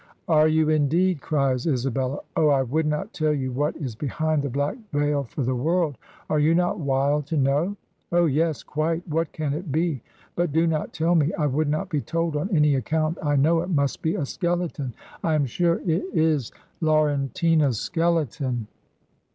"Are you, in deed?" cries Isabella. "Oh, I would not tell you what is behind the black veil for the world I Are you not wild to know?" "Oh yes, quite; what can it be? But do not tell me; I would not be told on any account. I know it must be a skeleton; I am sure it is Lauren tina's skeleton."